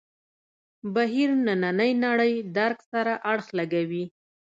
بهیر نننۍ نړۍ درک سره اړخ لګوي.